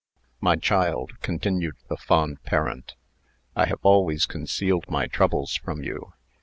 "My child," continued the fond parent, "I have always concealed my troubles from you.